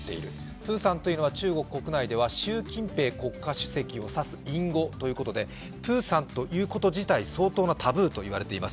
プーさんというのは中国国内では習近平国家主席を指す隠語ということで、プーさんと言うこと自体、相当なタブーと言われています。